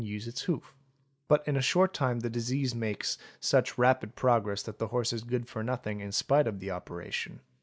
use its hoof; but in a short time the disease makes such rapid progress that the horse is good for nothing in © spite of the operation.